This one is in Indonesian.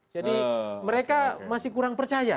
jadi mereka masih kurang percaya